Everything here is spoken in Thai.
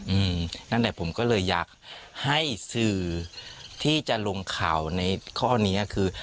อืมนั่นแหละผมก็เลยอยากให้สื่อที่จะลงข่าวในข้อนี้คือ